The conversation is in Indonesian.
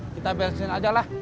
kita bensin aja lah